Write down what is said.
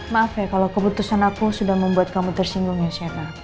maaf ya kalau keputusan aku sudah membuat kamu tersinggung ya siapa